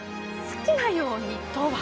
好きなようにとは？